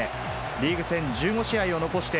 リーグ戦１５試合を残して、